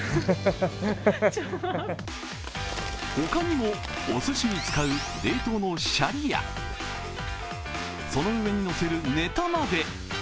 他にも、おすしに使う冷凍のシャリやその上にのせるネタまで。